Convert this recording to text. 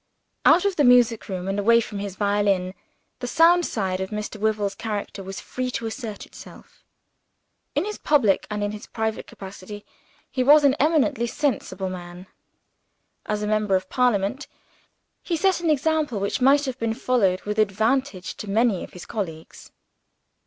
Out of the music room, and away from his violin, the sound side of Mr. Wyvil's character was free to assert itself. In his public and in his private capacity, he was an eminently sensible man. As a member of parliament, he set an example which might have been followed with advantage by many of his colleagues.